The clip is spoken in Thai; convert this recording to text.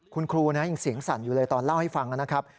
คุณครูยังเสียงสั่นอยู่เลยตอนเล่าให้ฟังนะครับ